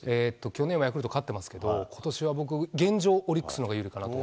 去年はヤクルト勝ってますけど、ことしは僕、現状、オリックスのほうが有利かなと。